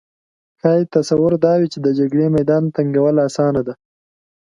ښايي تصور دا وي چې د جګړې میدان تنګول اسانه ده